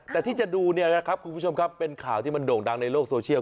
แต่ที่จะดูเนี่ยนะครับคุณผู้ชมครับเป็นข่าวที่มันโด่งดังในโลกโซเชียล